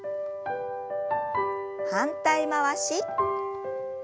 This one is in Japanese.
反対回し。